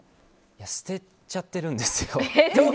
いや捨てちゃっているんですよ。